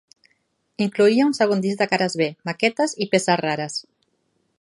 Incloïa un segon disc de cares B, maquetes i peces rares.